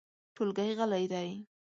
ټولګی غلی دی .